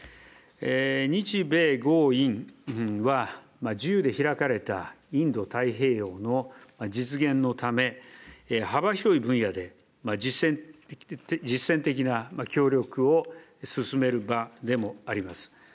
日米豪印は、自由で開かれたインド太平洋の実現のため、幅広い分野で実践的な協力を進める場でもあります。